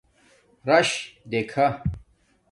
راش دیکھ